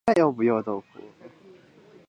奥布省城际客运提供前往特鲁瓦的大巴车。